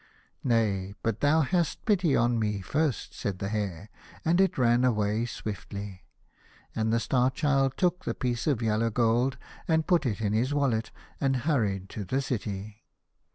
" Nay, but thou hadst pity on me first," said the Hare, and it ran away swiftly. And the Star Child took the piece of yellow gold, and put it in his wallet, and hurried to 152 The Star Child. the city.